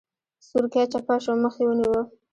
سورکی چپه شو مخ يې ونيو.